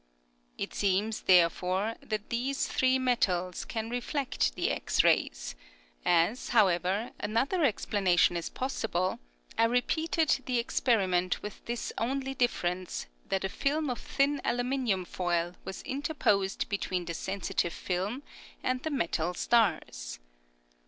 It seems, therefore, that these three metals can reflect the X rays ; as, however, another explanation is possible, I repeated the ex periment with this only difference, that a film of thin aluminium foil was interposed between the sensitive film and the metal stars.